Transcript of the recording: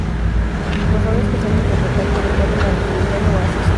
Los roles que suele interpretar corresponden a los de villano o asesino.